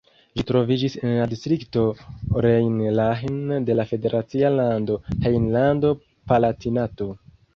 Ĝi troviĝis en la distrikto Rhein-Lahn de la federacia lando Rejnlando-Palatinato.